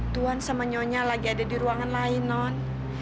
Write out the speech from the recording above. tuhan sama nyonya lagi ada di ruangan lain non